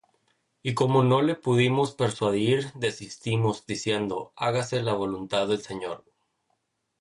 Y como no le pudimos persuadir, desistimos, diciendo: Hágase la voluntad del Señor.